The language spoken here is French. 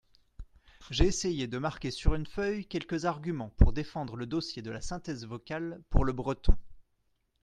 J’ai essayé de marquer sur une feuille quelques arguments pour défendre le dossier de la synthèse vocale pour le breton.